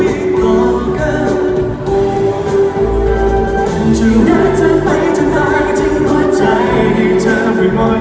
ยังจะรักเธอไปจะตายคุ้มใจให้เธอไม่หมดแล้ว